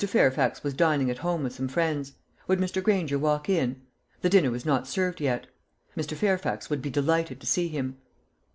Fairfax was dining at home with some friends. Would Mr. Granger walk in? The dinner was not served yet. Mr. Fairfax would be delighted to see him.